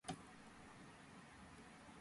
დაქორწინებულია და ჰყავს ორი ბავშვი.